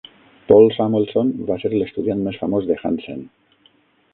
Paul Samuelson va ser l'estudiant més famós de Hansen.